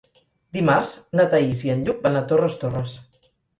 Dimarts na Thaís i en Lluc van a Torres Torres.